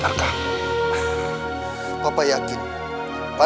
terus dengan cara apa